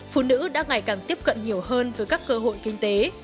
phụ nữ đã ngày càng tiếp cận nhiều hơn với các cơ hội kinh tế